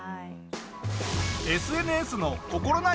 ＳＮＳの心ない